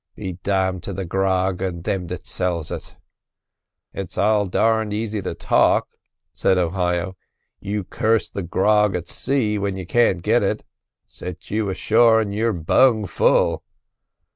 Be damned to the grog and thim that sells it!" "It's all darned easy to talk," said Ohio. "You curse the grog at sea when you can't get it; set you ashore, and you're bung full."